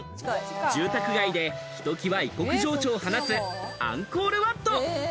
住宅街でひときわ異国情緒を放つアンコールワット。